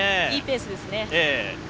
いいペースですね。